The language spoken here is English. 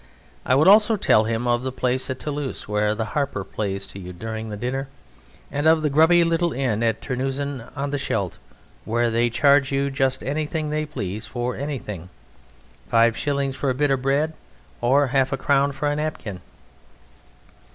I would also tell him of the place at Toulouse where the harper plays to you during dinner, and of the grubby little inn at Terneuzen on the Scheldt where they charge you just anything they please for anything; five shillings for a bit of bread, or half a crown for a napkin.